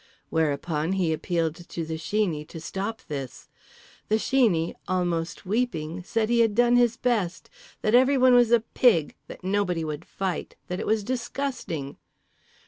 Whereupon he appealed to The Sheeney to stop this. The Sheeney (almost weeping) said he had done his best, that everyone was a pig, that nobody would fight, that it was disgusting.